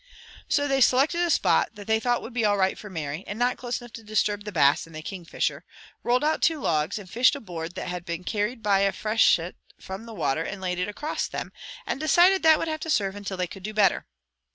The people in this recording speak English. So they selected a spot that they thought would be all right for Mary, and not close enough to disturb the Bass and the Kingfisher, rolled two logs, and fished a board that had been carried by a freshet from the water and laid it across them, and decided that would have to serve until they could do better.